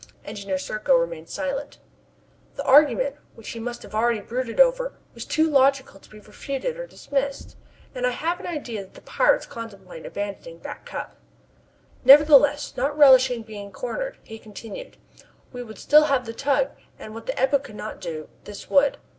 Engineer Serko remained silent. This argument, which he must already have brooded over, was too logical to be refuted or dismissed, and I have an idea that the pirates contemplate abandoning Back Cup. Nevertheless, not relishing being cornered, he continued: "We should still have the tug, and what the Ebba could not do, this would."